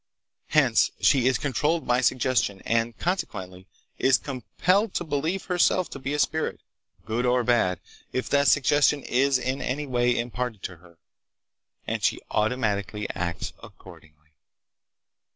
Hence she is controlled by suggestion, and, consequently, is compelled to believe herself to be a spirit, good or bad, if that suggestion is in any way imparted to her, and she automatically acts accordingly.